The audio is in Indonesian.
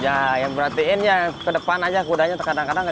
ya yang perhatiin ya ke depan aja kudanya terkadang kadang